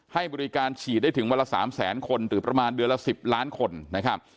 ให้บริการฉีดได้ถึงวันละ๓แสนคนหรือประมาณเดือนละ๑๐ล้านคนนะครับ